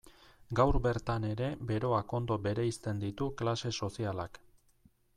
Gaur bertan ere beroak ondo bereizten ditu klase sozialak.